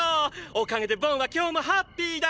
おかげでボンは今日もハッピーだ！